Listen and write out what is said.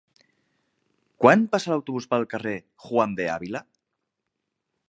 Quan passa l'autobús pel carrer Juan de Ávila?